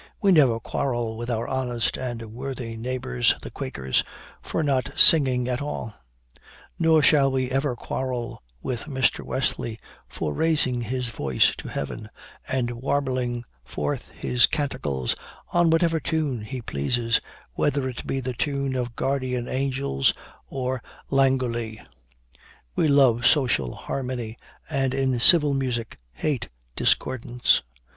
We never quarrel with our honest and worthy neighbors, the Quakers, for not singing at all; nor shall we ever quarrel with Mr. Wesley for raising his voice to heaven, and warbling forth his canticles on whatever tune he pleases, whether it be the tune of 'Guardian Angels' or 'Langolee.' We love social harmony, and in civil music hate discordance.